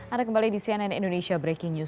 ada kembali di cnn indonesia breaking news